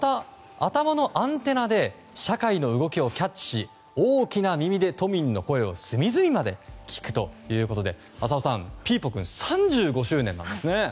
また、頭のアンテナで社会の動きをキャッチして大きな耳で都民の声を隅々まで聞くということで浅尾さん、ピーポくん３５周年なんですね。